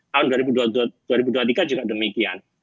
tahun dua ribu dua puluh tiga juga demikian